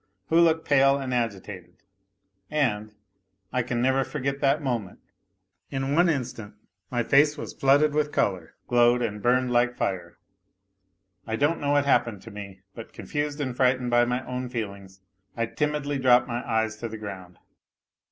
who looked pale and agitated, and I can never forget that moment in one instant my face was flooded with colour, glowed and burned like fire; I don't know what happened to me, but confused and frightened by my own feelings I timidly dropped my eyes to the ground.